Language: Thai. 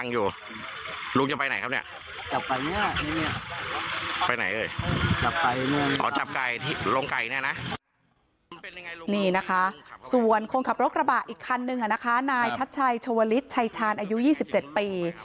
นี่นะคะส่วนคนขับรถกระบะอีกคันนึงนะคะนายทัชชัยชวลิศชัยชาญอายุ๒๗ปี